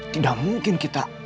tidak mungkin kita